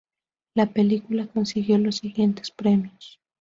La película consiguió los siguientes premios